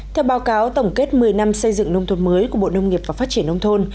theo báo cáo tổng kết một mươi năm xây dựng nông thôn mới của bộ nông nghiệp và phát triển nông thôn